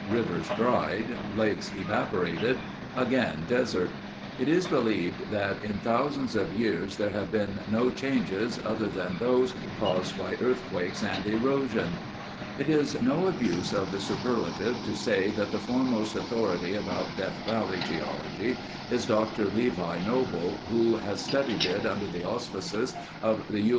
Rivers dried. Lakes evaporated. Again, desert. It is believed that in thousands of years there have been no changes other than those caused by earthquakes and erosion. It is no abuse of the superlative to say that the foremost authority upon Death Valley geology is Doctor Levi Noble, who has studied it under the auspices of the U.